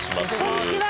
こんにちは